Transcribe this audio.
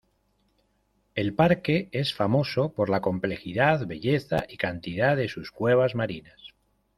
El parque es famoso por la complejidad, belleza y cantidad de sus cuevas marinas.